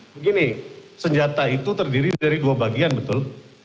begini senjata itu terdiri dari dua bagian betul